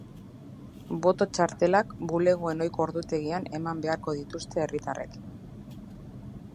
Boto-txartelak bulegoen ohiko ordutegian eman beharko dituzte herritarrek.